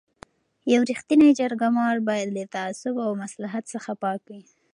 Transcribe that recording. یو رښتینی جرګه مار باید له تعصب او مصلحت څخه پاک وي.